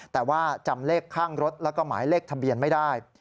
แต่ว่าจำเลขข้างรถแล้วก็หมายเลขทะเบียนไม่ได้